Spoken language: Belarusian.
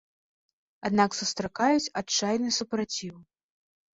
Аднак сустракаюць адчайны супраціў.